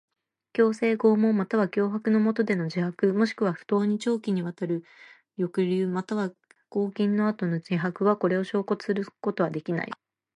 強制、拷問または脅迫のもとでの自白もしくは不当に長期にわたる抑留または拘禁の後の自白は、これを証拠とすることはできない。